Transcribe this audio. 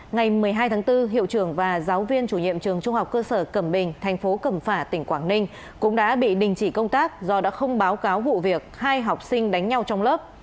ngày một mươi hai tháng bốn hiệu trường và giáo viên chủ nhiệm trường trung học cơ sở cẩm bình thành phố cẩm phả tỉnh quảng ninh cũng đã bị đình chỉ công tác do đã không báo cáo vụ việc hai học sinh đánh nhau trong lớp